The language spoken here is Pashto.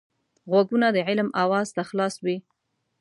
غوږونه د علم آواز ته خلاص وي